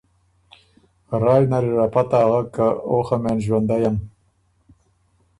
رایٛ نر اِر ا پته اغک که او خه مېن ݫوندئ م۔